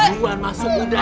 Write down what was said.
duluan masuk udah